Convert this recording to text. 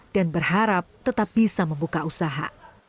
dan berharap tetap bisa membuka usaha